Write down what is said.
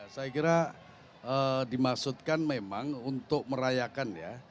saya kira dimaksudkan memang untuk merayakan ya